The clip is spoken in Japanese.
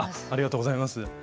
ありがとうございます。